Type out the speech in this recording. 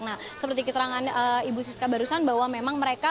nah seperti keterangan ibu siska barusan bahwa memang mereka